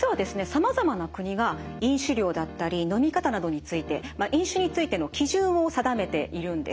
さまざまな国が飲酒量だったり飲み方などについて飲酒についての基準を定めているんです。